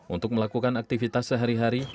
untuk melakukan aktivitas sehari hari